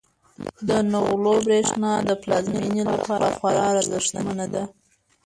د نغلو برښنا د پلازمینې لپاره خورا ارزښتمنه ده.